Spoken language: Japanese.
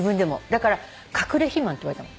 だから隠れ肥満って言われたの。